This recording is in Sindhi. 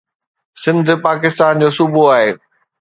سنڌ پاڪستان جو صوبو آهي.